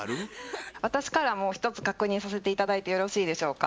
私からもひとつ確認させて頂いてよろしいでしょうか？